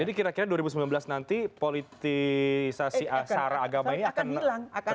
jadi kira kira dua ribu sembilan belas nanti politisasi asara agama ini akan hilang